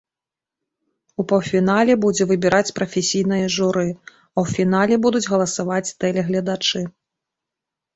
У паўфінале будзе выбіраць прафесійнае журы, а ў фінале будуць галасаваць тэлегледачы.